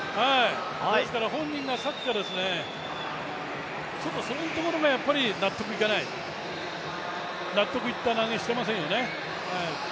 本人がさっきから、ちょっとその辺のところが納得いかない、納得いった投げをしてませんよね。